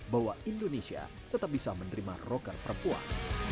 bahwa indonesia tetap bisa menerima rocker perempuan